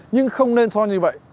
nhưng không nên so như vậy